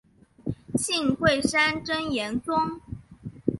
信贵山真言宗。